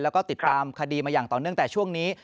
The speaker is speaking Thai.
แล้วก็ติดตามคดีมาอย่างต่อเนื่องแต่ช่วงนี้